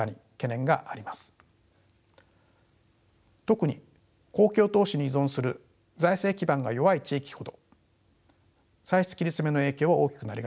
特に公共投資に依存する財政基盤が弱い地域ほど歳出切り詰めの影響は大きくなりがちです。